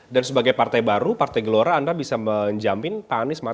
dan sebagai partai baru partai gelora anda bisa menjamin pak anies